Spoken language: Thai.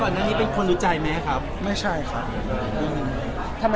ก่อนแน่นนี้เป็นคนรู้ใจไหมครับ